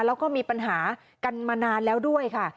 แล้วก็มีปัญหากันมานานแล้วด้วยค่ะ